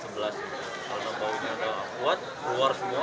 kalau baunya agak kuat keluar semua